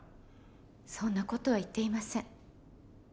そんな事は言っていません。